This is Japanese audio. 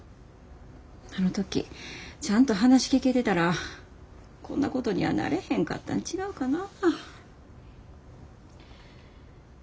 あの時ちゃんと話聞けてたらこんなことにはなれへんかったん違うかなぁ。